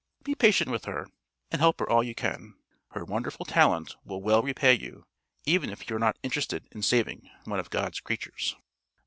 Be patient with her and help her all you can. Her wonderful talent will well repay you, even if you are not interested in saving one of God's creatures."